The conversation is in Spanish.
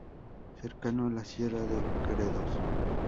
Cercano a la sierra de Gredos.